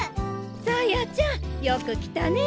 紗耶ちゃんよく来たね。